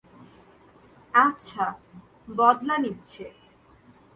আচ্ছা, বদলা নিচ্ছে।